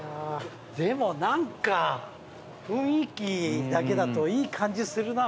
でも何か雰囲気だけだといい感じするな